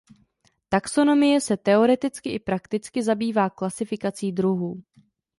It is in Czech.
Taxonomie se teoreticky i prakticky zabývá klasifikací druhů.